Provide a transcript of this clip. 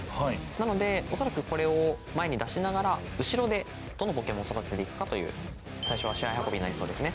なのでおそらくこれを前に出しながら後ろでどのポケモンを育てていくかという最初は試合運びになりそうですね。